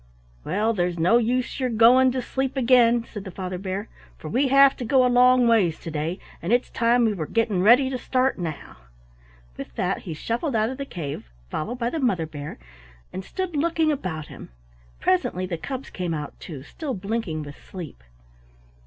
"Well, there's no use your going to sleep again," said the Father Bear, "for we have to go a long ways to day, and it's time we were getting ready to start now." With that he shuffled out of the cave, followed by the Mother Bear, and stood looking about him. Presently the cubs came out, too, still blinking with sleep.